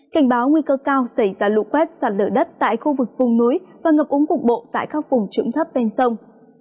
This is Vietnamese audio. cảnh báo nguy cơ cao xảy ra lũ quét sạt lở đất tại khu vực phung núi và ngập úng cục bộ tại các vùng trưởng thấp bên sông